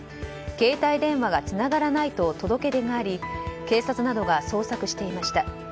携帯電話がつながらないと届け出があり警察などが捜索していました。